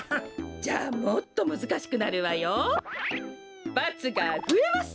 じゃあもっとむずかしくなるわよ。×がふえます。